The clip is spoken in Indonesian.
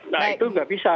nah itu gak bisa